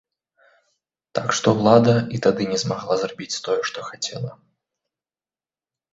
Так што ўлада і тады не змагла зрабіць тое, што хацела.